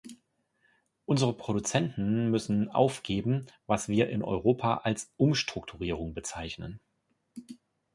Unsere Produzenten müssen aufgeben, was wir in Europa als "Umstrukturierung" bezeichnen.